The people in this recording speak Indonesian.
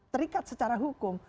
terikat secara hukum